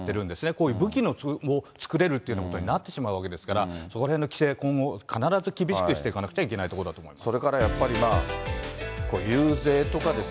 こういう武器を作れるというようなことになってしまうわけですから、そこらへんの規制、今後、必ず厳しくしていかなくちゃいけないところだと思います。